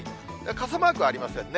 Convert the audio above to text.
傘マークありませんね。